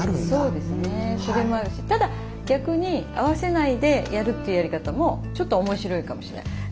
そうですねそれもあるしただ逆に合わせないでやるってやり方もちょっと面白いかもしれない。